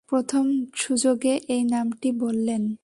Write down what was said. প্রথম সুযোগে এই নামটি বললেন।